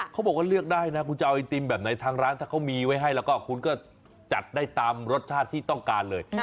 เขาบอกว่าเลือกได้นะคุณจะเอาไอติมแบบไหนทางร้านถ้าเขามีไว้ให้แล้วก็คุณก็จัดได้ตามรสชาติที่ต้องการเลย